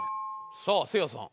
さあせいやさん。